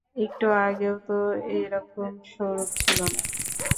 একটু আগেও তো এ রকম সৌরভ ছিল না।